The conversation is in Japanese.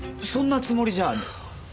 そんなつもりじゃ。